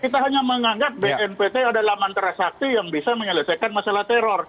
kita hanya menganggap bnpt adalah mantra sakti yang bisa menyelesaikan masalah teror